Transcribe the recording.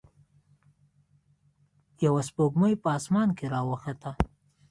یوه سپوږمۍ په اسمان کې راوخته.